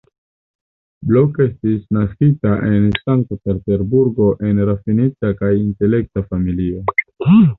Blok estis naskita en Sankt-Peterburgo en rafinita kaj intelekta familio.